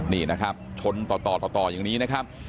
นี่นะครับชนต่ออย่างนี้นะครับ